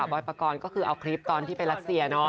อยปกรณ์ก็คือเอาคลิปตอนที่ไปรัสเซีย